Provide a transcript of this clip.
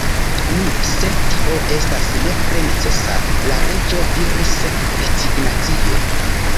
« Nu, se tio estas nepre necesa," la Reĝo diris rezignacie.